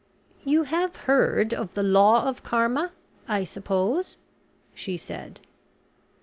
"You have heard of the law of Karma, I suppose?" she said.